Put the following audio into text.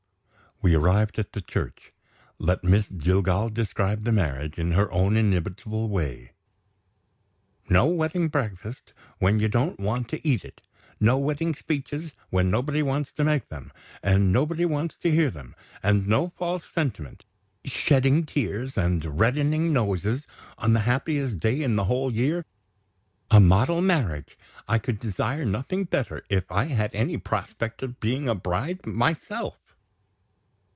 We arrived at the church. Let Miss Jillgall describe the marriage, in her own inimitable way. "No wedding breakfast, when you don't want to eat it. No wedding speeches, when nobody wants to make them, and nobody wants to hear them. And no false sentiment, shedding tears and reddening noses, on the happiest day in the whole year. A model marriage! I could desire nothing better, if I had any prospect of being a bride myself."